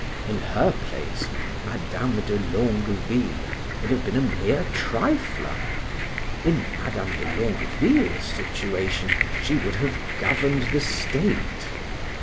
In her place Madam de Longueville would have been a mere trifler, in Madam de Longueville's situation she would have governed the state.